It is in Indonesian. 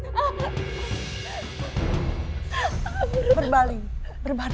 berbalik berbalik dulu anak